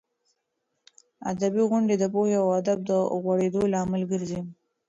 ادبي غونډې د پوهې او ادب د غوړېدو لامل ګرځي.